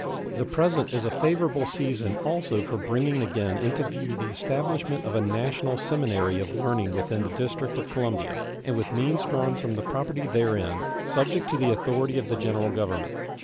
The present is a favorable season also for bringing again into view the establishment of a national seminary of learning within the District of Columbia, and with means drawn from the property therein, subject to the authority of the General Government.